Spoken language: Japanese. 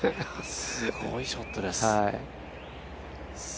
すごいショットです。